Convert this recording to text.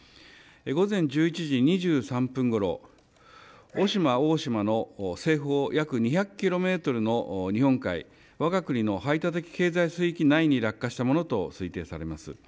午前１１時２３分ごろ、渡島大島の西方約２００キロメートルの日本海、わが国の排他的経済水域内に落下したものと推定されます。